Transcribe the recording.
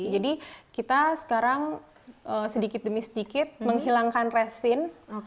jadi kita sekarang sedikit demi sedikit menghilangkan resin